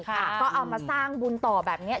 ก็เอามาสร้างบุญต่อแบบนี้